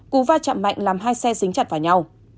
cú va chạm mạnh làm hai xe xích chặt vào nhau